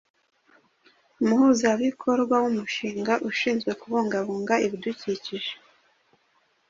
Umuhuzabikorwa w’umushinga ushinzwe kubungabunga ibidukikije .